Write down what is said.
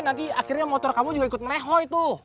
nanti akhirnya motor kamu juga ikut melehoi tuh